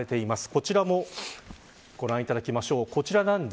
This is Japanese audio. こちらもご覧いただきましょう。